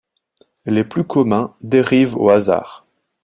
Les plus communs dérivent au hasard.